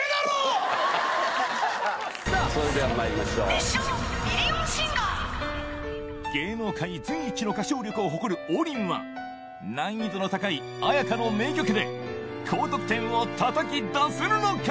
ミリオンシンガー』芸能界随一の歌唱力を誇る王林は難易度の高い絢香の名曲で高得点をたたき出せるのか？